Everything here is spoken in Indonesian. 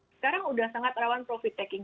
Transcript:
sekarang sudah sangat rawan profit taking